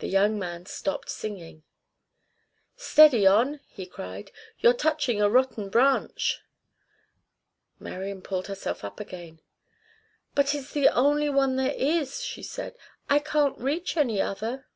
The young man stopped singing. "Steady on," he cried. "You're touching a rotten branch." Marian pulled herself up again. "But it's the only one there is," she said. "I can't reach any other."